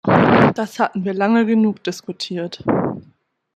Das hatten wir lange genug diskutiert.